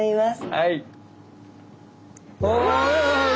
はい。